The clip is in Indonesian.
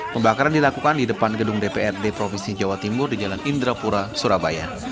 pembakaran dilakukan di depan gedung dprd provinsi jawa timur di jalan indrapura surabaya